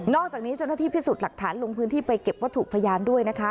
อกจากนี้เจ้าหน้าที่พิสูจน์หลักฐานลงพื้นที่ไปเก็บวัตถุพยานด้วยนะคะ